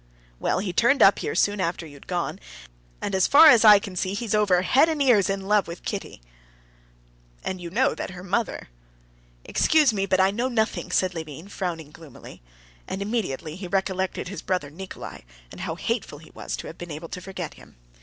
"Well, he turned up here soon after you'd gone, and as I can see, he's over head and ears in love with Kitty, and you know that her mother...." "Excuse me, but I know nothing," said Levin, frowning gloomily. And immediately he recollected his brother Nikolay and how hateful he was to have been able to forget him.